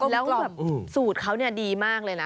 แล้วก็แบบสูตรเขาเนี่ยดีมากเลยนะ